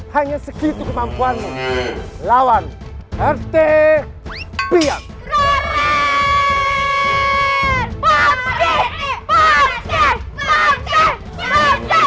hanya segitu kemampuannya lawan rt biar